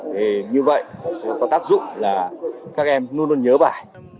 thì như vậy sẽ có tác dụng là các em luôn luôn nhớ bài